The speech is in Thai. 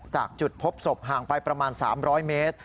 จากจุดพบศพห่างไปประมาณ๓๐๐เมตร